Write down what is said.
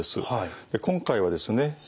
今回はですね